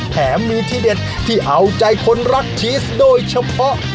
แถมมีที่เด็ดที่เอาใจคนรักชีสโดยเฉพาะ